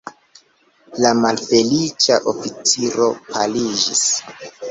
La malfeliĉa oficiro paliĝis.